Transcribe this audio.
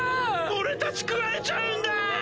俺たち食われちゃうんだ！